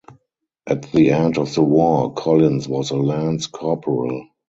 At the end of the War, Collins was a Lance Corporal.